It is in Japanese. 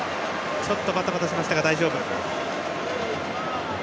ちょっとバタバタしましたが大丈夫。